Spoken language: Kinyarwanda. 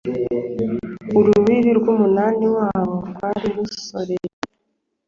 urubibi rw'umunani wabo rwari soreya